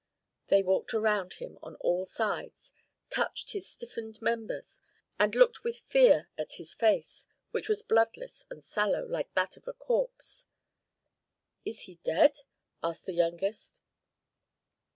They walked around him on all sides, touched his stiffened members, and looked with fear at his face, which was bloodless and sallow, like that of a corpse. "Is he dead?" asked the youngest.